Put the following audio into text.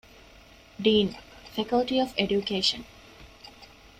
ޑީން، ފެކަލްޓީ އޮފް އެޑިއުކޭޝަން